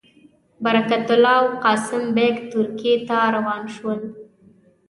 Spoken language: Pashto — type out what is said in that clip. برکت الله او قاسم بېګ ترکیې ته روان شول.